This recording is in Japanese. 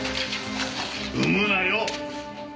産むなよ！